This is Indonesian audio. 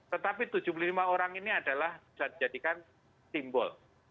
tetapi tujuh puluh lima orang ini adalah bisa dijadikan simbol